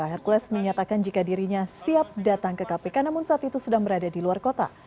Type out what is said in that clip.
hercules menyatakan jika dirinya siap datang ke kpk namun saat itu sedang berada di luar kota